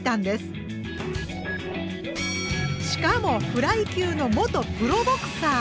しかもフライ級の元プロボクサー！